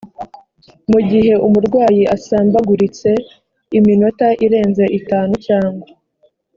mu gihe umurwayi asambaguritse iminota irenze itanu cyangwa